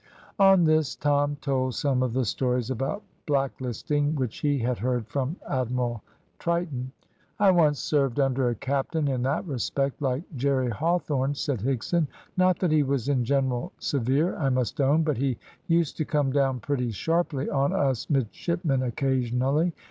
On this Tom told some of the stories about black listing which he had heard from Admiral Triton. "I once served under a captain in that respect like Jerry Hawthorne," said Higson. "Not that he was in general severe, I must own; but he used to come down pretty sharply on us midshipmen occasionally.